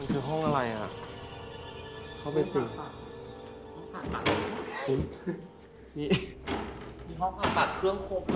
มีห้องปรับปัดเครื่องครบด้วยให้คนรู้